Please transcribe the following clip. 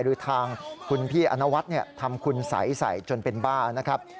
หรือทางคุณพี่อนวัฒน์ทำคุณสัยใส่จนเป็นบ้านะครับ